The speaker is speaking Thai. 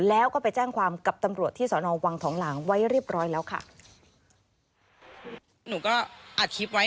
แล้วก็ไปแจ้งความกับตำรวจที่สอนอวังทองหลางไว้เรียบร้อยแล้วค่ะ